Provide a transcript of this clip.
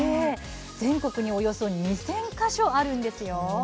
全国におよそ２０００か所あるんですよ。